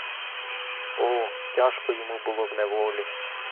О, тяжко йому було в неволі!